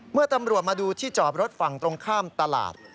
เมื่อตำรวจมาดูที่จอบรถฝั่งตรงข้ามตลาด